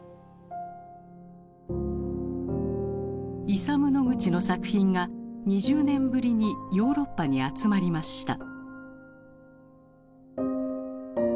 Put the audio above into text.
イサム・ノグチの作品が２０年ぶりにヨーロッパに集まりました。